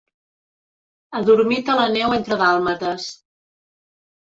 Adormit a la neu entre dàlmates.